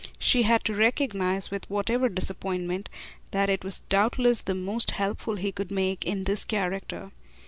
She had to recognise, with whatever disappointment, that it was doubtless the most helpful he could make in this character.